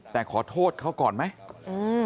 แต่ขอโทษเขาก่อนไหม